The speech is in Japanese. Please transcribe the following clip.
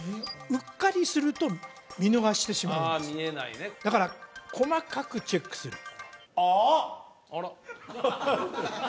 うっかりすると見逃してしまうんですだから細かくチェックするあ！